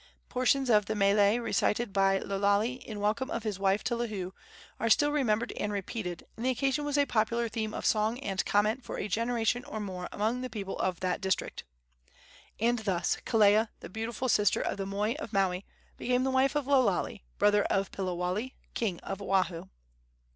Portions of the mele recited by Lo Lale in welcome of his wife to Lihue are still remembered and repeated, and the occasion was a popular theme of song and comment for a generation or more among the people of that district. And thus Kelea, the beautiful sister of the moi of Maui, became the wife of Lo Lale, brother of Piliwale, king of Oahu.